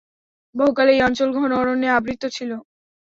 বহুকাল এই অঞ্চল ঘন অরণ্যে আবৃত ছিল।